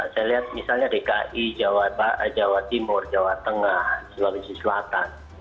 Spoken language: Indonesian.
saya lihat misalnya dki jawa timur jawa tengah sulawesi selatan